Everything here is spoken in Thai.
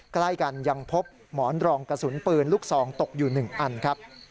ใกล้กันยังพบหมอนรองกระสุนปืนลูกซองตกอยู่๑อันครับ